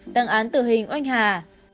tăng án tử hình oanh hà